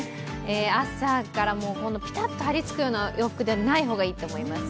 朝からもう本当にピタっと張りつくような洋服じゃない方がいいと思います。